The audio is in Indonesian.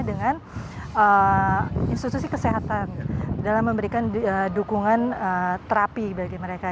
dengan institusi kesehatan dalam memberikan dukungan terapi bagi mereka